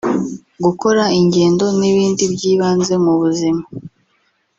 gukora ingendo n’ibindi byibanze mu buzima